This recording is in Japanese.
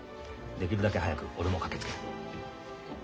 できるだけ早く俺も駆けつける。